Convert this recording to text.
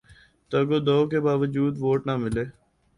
تگ و دو کے باوجود ووٹ نہ ملے